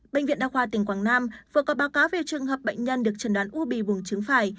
bệnh viện đa khoa tỉnh quảng nam vừa có báo cáo về trường hợp bệnh nhân được chẩn đoán u bì vùng trứng phải